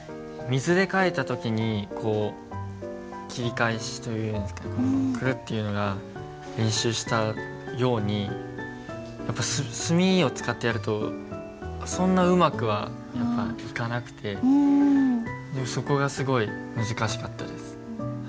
水で書いた時に切り返しというんですかくるっていうのが練習したように墨を使ってやるとそんなうまくはいかなくてそこがすごい難しかったです。